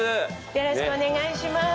よろしくお願いします。